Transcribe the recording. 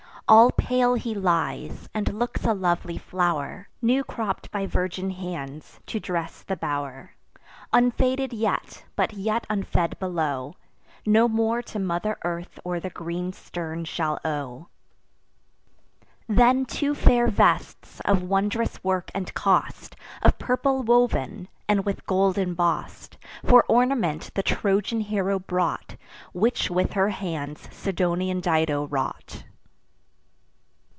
All pale he lies, and looks a lovely flow'r, New cropp'd by virgin hands, to dress the bow'r: Unfaded yet, but yet unfed below, No more to mother earth or the green stern shall owe. Then two fair vests, of wondrous work and cost, Of purple woven, and with gold emboss'd, For ornament the Trojan hero brought, Which with her hands Sidonian Dido wrought.